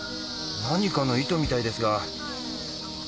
何かの糸みたいですが。